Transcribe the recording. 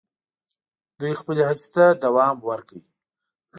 دوی خپلي هڅي ته دوم ورکړ.